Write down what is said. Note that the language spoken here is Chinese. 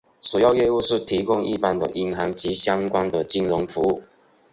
主要业务是提供一般的银行及相关的金融服务。